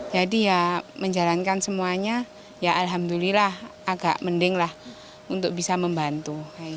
jadi ya menjalankan semuanya ya alhamdulillah agak mendinglah untuk bisa membantu